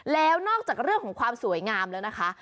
แล้วนอกจากเรื่องของความสวยงามแล้วนะคะ